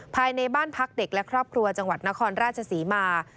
ภายในบ้านพักเด็กและครอบครัวจังหวัดนครราชศรีมา